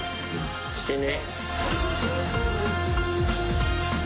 してね。